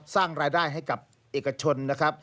สร้างรายได้ให้กับเอกชนนะครับ